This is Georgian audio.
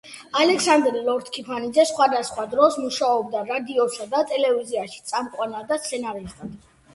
ალექსანდრე ლორთქიფანიძე სხვადასხვა დროს მუშაობდა რადიოსა და ტელევიზიაში წამყვანად და სცენარისტად.